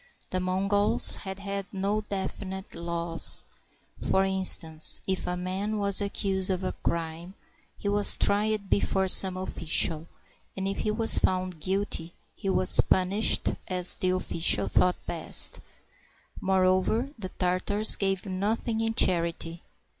The Mongols had had no definite laws. For in stance, if a man was accused of crime, he was tried before some oflficial, and if he was found guilty, he was punished as the oflficial thought best. Moreover, the Tartars gave nothing in charity.